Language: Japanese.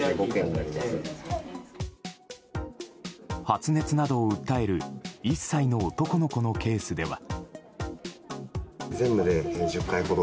発熱などを訴える１歳の男の子のケースでは。